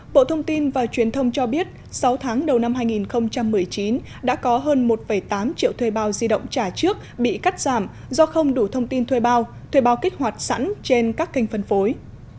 bộ thông tin và truyền thông cho biết sáu tháng đầu năm hai nghìn một mươi chín đã có hơn một tám triệu thuê bao di động trả trước bị cắt giảm do không đủ thông tin thuê bao thuê bao kích hoạt sẵn trên các kênh phân phối